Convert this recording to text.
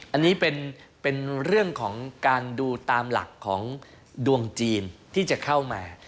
อันนี้เป็นเรื่องของการดูตามหลักของดวงจีนที่จะเข้ามา